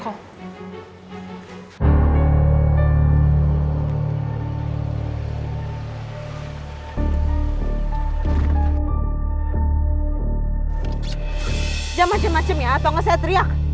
jangan macam macam ya atau gak saya teriak